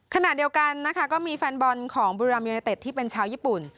ขณะเดียวกันนะคะก็มีแฟนบอลของบุรีรัมยูเนเต็ดที่เป็นชาวญี่ปุ่น